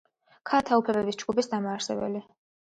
ქალთა უფლებების ჯგუფის დამაარსებელი.